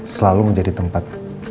selalu menjadi tempat